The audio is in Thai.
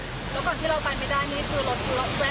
แล้วก่อนที่เราไปไม่ได้นี่คือรถคือรถแวะ